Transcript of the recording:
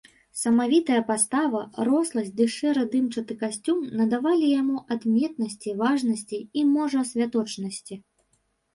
Самавітая пастава, росласць ды шэра-дымчаты касцюм надавалі яму адметнасці, важнасці і, можа, святочнасці.